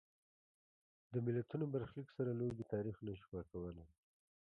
د ملتونو برخلیک سره لوبې تاریخ نه شو پاکولای.